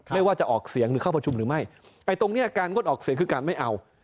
ไม่ว่าจะออกเสียงหรือเข้าประชุมหรือไม่ไอ้ตรงเนี้ยการงดออกเสียงคือการไม่เอา